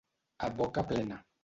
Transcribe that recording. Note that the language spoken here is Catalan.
A boca plena.